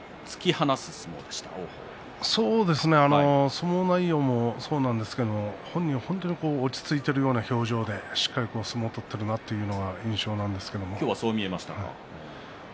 相撲内容もそうなんですが本人も本当に落ち着いているような表情で、しっかり相撲を取っているなという印象でした。